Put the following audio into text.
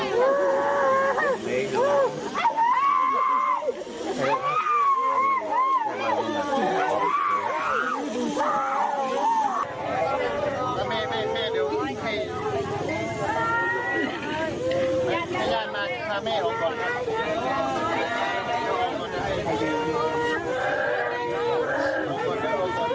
น้องพยายามมาคุณค่ะแม่หลงก่อนค่ะ